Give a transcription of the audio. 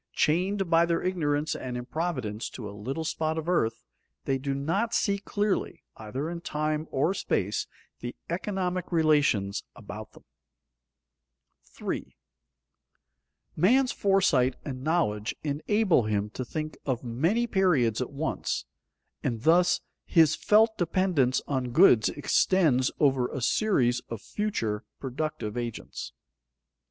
Chained by their ignorance and improvidence to a little spot of earth, they do not see clearly, either in time or space, the economic relations about them. [Sidenote: Values of things distant in time] 3. _Man's foresight and knowledge enable him to think of many periods at once, and thus his felt dependence on goods extends over a series of future productive agents.